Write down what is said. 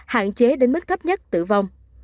hạn chế đến mức thấp nhất tử vong